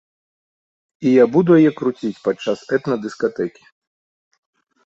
І я буду яе круціць падчас этна-дыскатэкі.